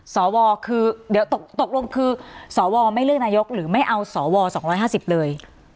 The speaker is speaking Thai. สวคือเดี๋ยวตกลงคือสวไม่เลือกนายกหรือไม่เอาสว๒๕๐เลย